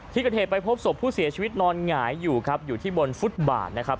ที่เกิดเหตุไปพบศพผู้เสียชีวิตนอนหงายอยู่ครับอยู่ที่บนฟุตบาทนะครับ